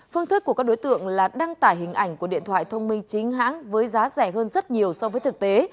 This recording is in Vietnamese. phương thức của các đối tượng là đăng tải hình ảnh của điện thoại thông minh chính hãng với giá rẻ hơn rất nhiều so với thực tế